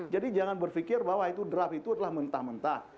jadi jangan berpikir bahwa draft itu adalah mentah mentah